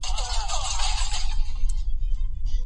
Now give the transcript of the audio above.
وترنري پوهنځۍ په غلطه توګه نه تشریح کیږي.